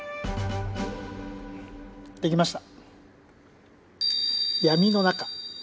できました。